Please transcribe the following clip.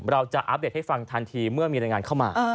เราจะอัปเดตให้ฟังทันทีเมื่อมีรายงานเข้ามา